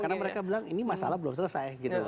karena mereka bilang ini masalah belum selesai gitu